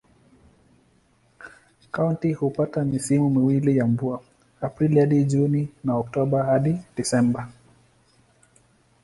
Kaunti hupata misimu miwili ya mvua: Aprili hadi Juni na Oktoba hadi Disemba.